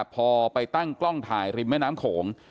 พอไปตั้งกล้องถ่ายริมแม่น้ำโขง